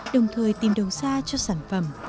đồng thời tìm đầu xa cho sản phẩm